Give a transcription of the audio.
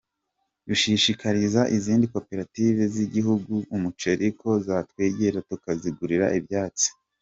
Dushishikariza izindi koperative zihinga umuceli ko zatwegera tukazigurira ibyatsi.